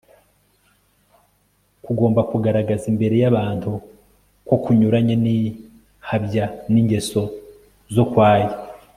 kugomba kugaragara imbere y'abantu ko kunyuranye by'ihabya n'ingeso zo kwaya